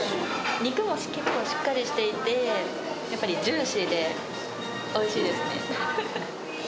肉も結構しっかりしていて、やっぱりジューシーでおいしいですね。